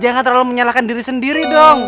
jangan terlalu menyalahkan diri sendiri dong